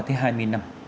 thế hai mươi năm